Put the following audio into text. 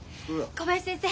小林先生